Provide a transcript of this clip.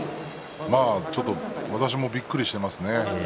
ちょっと私もびっくりしていますね。